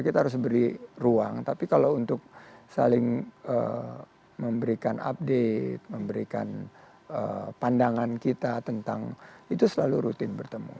kita harus beri ruang tapi kalau untuk saling memberikan update memberikan pandangan kita tentang itu selalu rutin bertemu